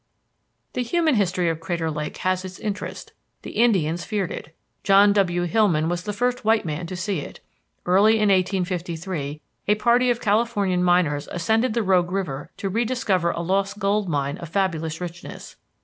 The human history of Crater Lake has its interest. The Indians feared it. John W. Hillman was the first white man to see it. Early in 1853 a party of Californian miners ascended the Rogue River to rediscover a lost gold mine of fabulous richness.